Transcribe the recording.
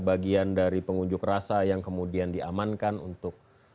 bagian dari pengunjuk rasa yang kemudian diamankan untuk